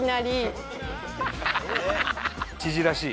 知事らしい。